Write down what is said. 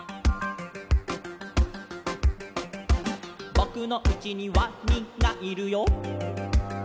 「ぼくのうちにワニがいるよ」